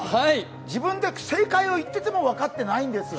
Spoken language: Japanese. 自分で正解を言ってても分かってないんですよ。